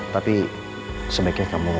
tapi sebaiknya kamu